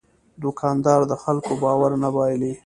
دوکاندار د خلکو باور نه بایلي.